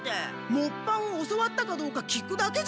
もっぱんを教わったかどうか聞くだけじゃないか。